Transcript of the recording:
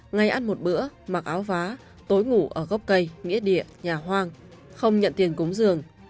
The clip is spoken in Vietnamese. ngày ăn một bữa mặc áo vá tối ngủ ở gốc cây nghĩa địa nhà hoang không nhận tiền cúng giường